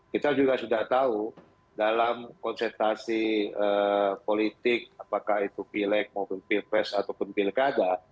kita juga sudah tahu dalam konsentrasi politik apakah itu pileg maupun pilpres ataupun pilkada